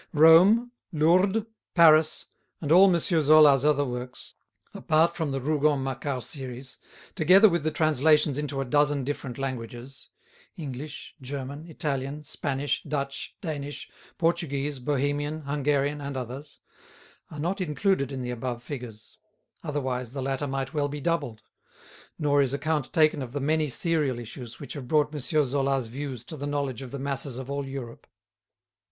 "Rome," "Lourdes," "Paris," and all M. Zola's other works, apart from the "Rougon Macquart" series, together with the translations into a dozen different languages—English, German, Italian, Spanish, Dutch, Danish, Portuguese, Bohemian, Hungarian, and others—are not included in the above figures. Otherwise the latter might well be doubled. Nor is account taken of the many serial issues which have brought M. Zola's views to the knowledge of the masses of all Europe.